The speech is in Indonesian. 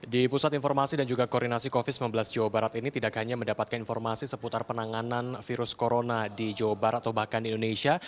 di pusat informasi dan juga koordinasi covid sembilan belas jawa barat ini tidak hanya mendapatkan informasi seputar penanganan virus corona di jawa barat atau bahkan di indonesia